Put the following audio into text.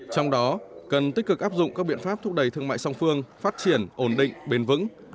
trong đó cần tích cực áp dụng các biện pháp thúc đẩy thương mại song phương phát triển ổn định bền vững